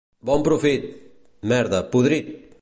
Bon profit! —Merda, podrit!